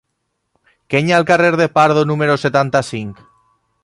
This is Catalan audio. Què hi ha al carrer de Pardo número setanta-cinc?